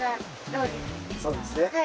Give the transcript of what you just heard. そうですね。